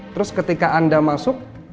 terus ketika anda masuk